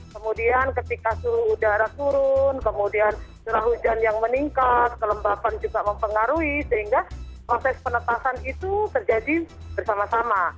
kemudian ketika suhu udara turun kemudian curah hujan yang meningkat kelembapan juga mempengaruhi sehingga proses penetasan itu terjadi bersama sama